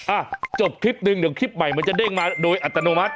อ่ะจบคลิปนึงเดี๋ยวคลิปใหม่มันจะเด้งมาโดยอัตโนมัติ